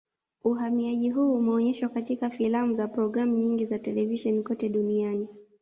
Uhamiaji huu umeonyeshwa katika filamu na programu nyingi za televisheni kote duniani